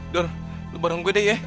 dor lo bareng gue deh ya